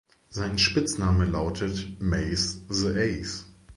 Sein Spitzname lautet „Mace The Ace“.